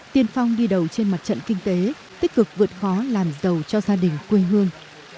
tiên phong đi đầu trên mặt trận kinh tế tích cực vượt khó làm giàu cho gia đình quê hương